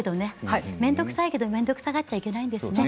面倒くさいけどね面倒くさがったらいけないんですね。